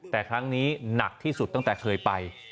แต่ครั้งนี้หนักที่สุดตั้งแต่เคยไป